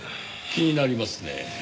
気になりますねぇ。